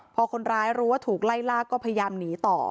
พอคนร้ายรู้ว่าถูกไล่ลากก็พยายามหนีต่อ